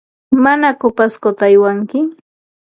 ¿Manaku Pascota aywanki?